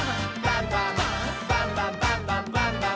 バンバン」「バンバンバンバンバンバン！」